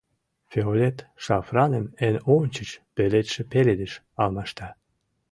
Фиолет шафраным эн ончыч пеледше пеледыш алмашта.